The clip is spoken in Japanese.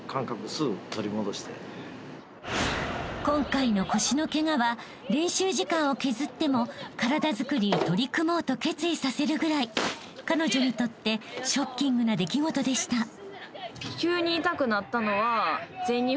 ［今回の腰のケガは練習時間を削っても体づくりに取り組もうと決意させるぐらい彼女にとってショッキングな出来事でした］